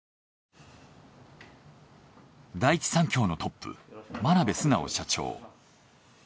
第一三共のトップ眞鍋淳社長。